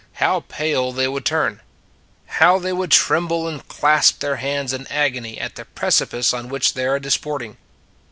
How pale they would turn ! How they would trem ble and clasp their hands in agony at the precipice on which they are disporting!